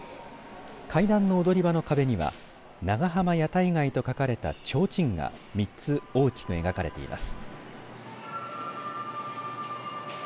階段の踊り場の壁には長浜屋台街と書かれたちょうちんが３つ大きく描かれています。